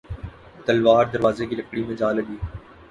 تلوار دروازے کی لکڑی میں جا لگی